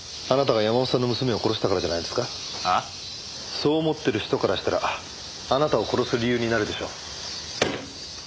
そう思ってる人からしたらあなたを殺す理由になるでしょ。